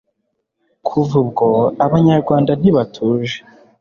Kuva ubwo Abanyarwanda ntibatuje